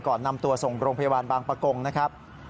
ก่อนนำตัวส่งโรงพยาบาลบางประกงนะครับ